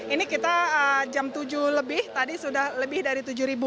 ini kita jam tujuh lebih tadi sudah lebih dari tujuh